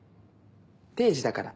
定時だから。